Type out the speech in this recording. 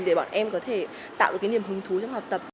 để bọn em có thể tạo được cái niềm hứng thú trong học tập